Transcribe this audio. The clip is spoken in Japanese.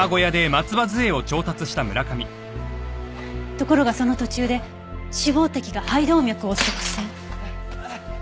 ところがその途中で脂肪滴が肺動脈を塞栓。